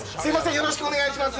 よろしくお願いします。